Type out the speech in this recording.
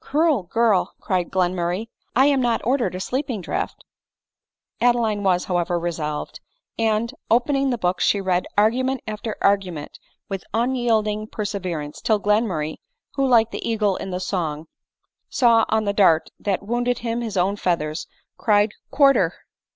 "Cruel girl!" cried Glenmurray, " I am not ordered a sleeping draught !" Adeline was, however, resolved; and, opening the book, she read argument after argument with unyielding perseverance, till Glenmurray, who, like the eagle in the song, saw on the dart that wounded him his own feathers, cried " Quarter."